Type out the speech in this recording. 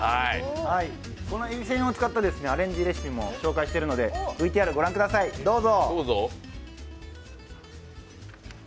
このえびせんを使ったアレンジレシピも紹介しているので、ＶＴＲ御覧ください、どうぞ。